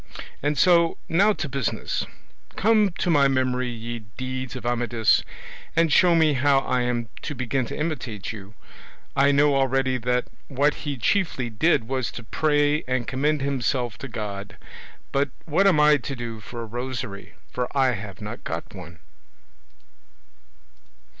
And so, now to business; come to my memory ye deeds of Amadis, and show me how I am to begin to imitate you. I know already that what he chiefly did was to pray and commend himself to God; but what am I to do for a rosary, for I have not got one?"